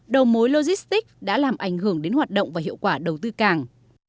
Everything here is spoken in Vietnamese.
đầu mối logistics đã làm ảnh hưởng đến hoạt động và hiệu quả đầu tư cảng